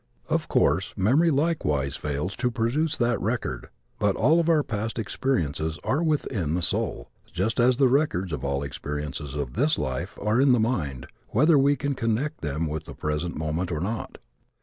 Of course memory likewise fails to produce that record. But all of our past experiences are within the soul, just as the records of all of the experiences of this life are in the mind whether we can connect them with the present moment or not.